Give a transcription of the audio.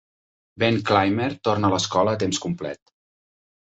Ben Clymer torna a l'escola a temps complet.